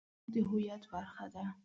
افغانۍ زموږ د هویت برخه ده.